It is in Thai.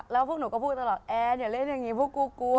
แล้วพวกหนูก็พูดตลอดแอร์อย่าเล่นอย่างนี้พวกกูกลัว